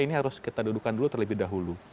ini harus kita dudukan dulu terlebih dahulu